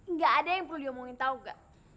nggak ada yang perlu diomongin tau ga